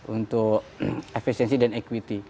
untuk efisiensi dan equity